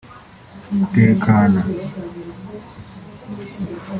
Tekana